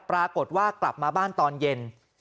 ปรากฏว่ากลับมาบ้านตอนเย็น